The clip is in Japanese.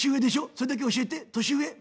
それだけ教えて年上？」。